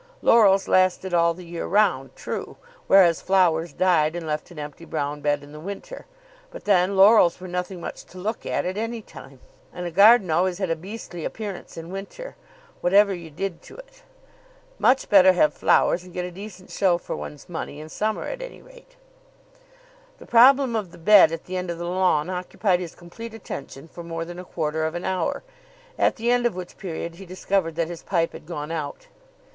Laurels lasted all the year round, true, whereas flowers died and left an empty brown bed in the winter, but then laurels were nothing much to look at at any time, and a garden always had a beastly appearance in winter, whatever you did to it. Much better have flowers, and get a decent show for one's money in summer at any rate. The problem of the bed at the end of the lawn occupied his complete attention for more than a quarter of an hour, at the end of which period he discovered that his pipe had gone out.